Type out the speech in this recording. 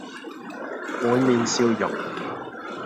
滿面笑容，